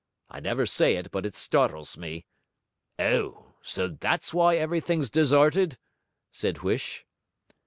I never say it but it startles me.' 'Oh, so that's why everything's deserted?' said Huish.